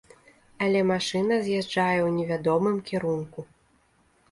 Але машына з'язджае ў невядомым кірунку.